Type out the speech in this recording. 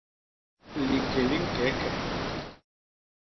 Liké li ñkeke.